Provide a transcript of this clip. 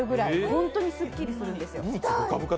本当にすっきりするんですよ。